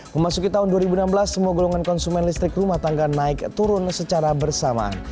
memasuki tahun dua ribu enam belas semua golongan konsumen listrik rumah tangga naik turun secara bersamaan